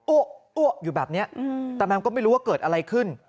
โอ๊ะโอ๊ะอยู่แบบนี้ตามแมมก็ไม่รู้ว่าเกิดอะไรขึ้น